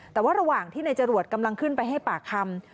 แต่ว่าระหว่างที่นายจรวดกำลังขึ้นไปให้ปากคำ